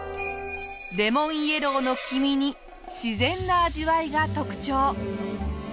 レモンイエローの黄身に自然な味わいが特徴。